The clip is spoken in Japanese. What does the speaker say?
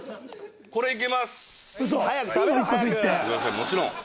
もちろん。